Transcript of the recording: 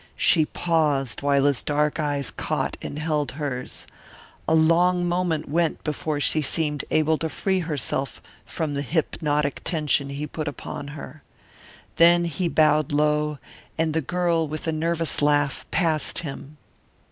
She paused while his dark eyes caught and held hers. A long moment went before she seemed able to free herself from the hypnotic tension he put upon her. Then he bowed low, and the girl with a nervous laugh passed him.